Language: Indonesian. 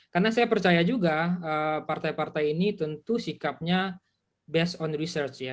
karena saya percaya juga partai partai ini tentu sikapnya based on research ya